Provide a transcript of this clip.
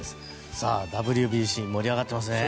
さあ、ＷＢＣ盛り上がってますね。